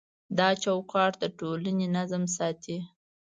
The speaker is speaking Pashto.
دا چوکاټ د ټولنې نظم ساتي.